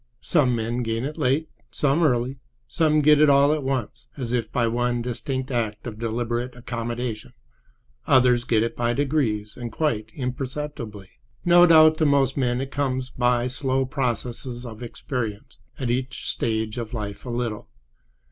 Some men gain it late, some early; some get it all at once, as if by one distinct act of deliberate accommodation; others get it by degrees and quite imperceptibly. No doubt to most men it comes by slow processes of experience—at each stage of life a little.